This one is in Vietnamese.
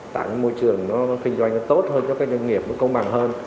tặng môi trường nó kinh doanh tốt hơn cho các doanh nghiệp nó công bằng hơn